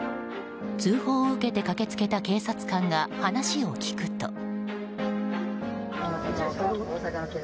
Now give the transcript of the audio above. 通報を受けて駆けつけた警察官が話を聞くと。